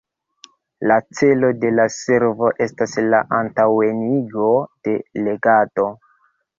La celo de la servo estas la antaŭenigo de legado.